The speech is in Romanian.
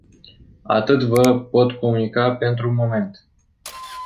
Atât vă pot comunica pentru moment.